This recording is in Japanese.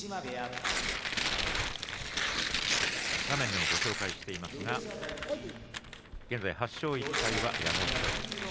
画面でも紹介していますが現在８勝１敗は矢後１人。